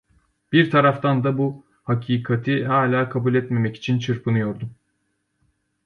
Bir taraftan da bu hakikati hâlâ kabul etmemek için çırpınıyordum.